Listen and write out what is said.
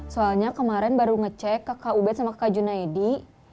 soalnya kemarin baru ngecek kakak ubed sama kakak junaedi